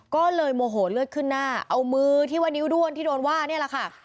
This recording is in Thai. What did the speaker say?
ก็เลยโมโหเลือดขึ้นหน้าเอามือที่ว่านิ้วด้วนที่โดนว่านี่แหละค่ะ